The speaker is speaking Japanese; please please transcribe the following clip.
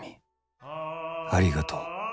ありがとう。